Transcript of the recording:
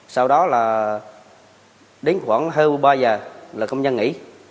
sau đó là đến khoảng hai mươi ba giờ là công nhân nghỉ